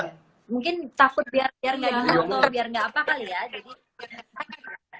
mungkin takut biar gak dianggap atau biar gak apa kali ya